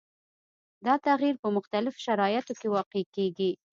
دا تغیر په مختلفو شرایطو کې واقع کیږي.